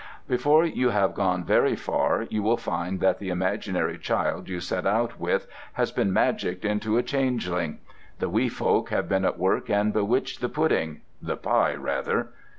Before you have gone very far you will find that the imaginary child you set out with has been magicked into a changeling. The wee folk have been at work and bewitched the pudding—the pie rather.